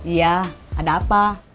iya ada apa